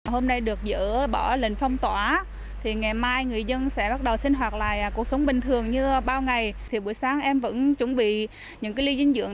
tuy nhiên em vẫn chuẩn bị những ly dinh dưỡng